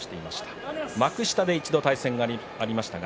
幕下で一度、対戦がありました。